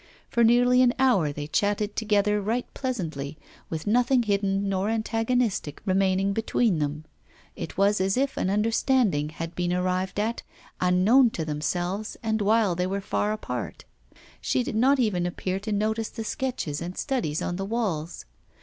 For nearly an hour they chatted together right pleasantly, with nothing hidden nor antagonistic remaining between them; it was as if an understanding had been arrived at, unknown to themselves, and while they were far apart. She did not even appear to notice the sketches and studies on the walls.